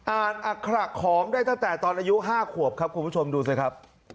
อ่านอักขรักของได้ตั้งแต่ตอนอายุห้าขวบครับคุณผู้ชมดูสิครับ